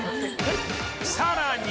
さらに